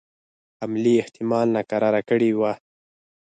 حملې احتمال ناکراره کړي وه.